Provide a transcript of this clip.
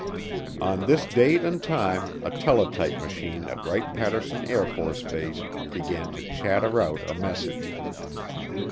On this date and time a teletype machine at Wright Patterson AFB began to chatter out a message.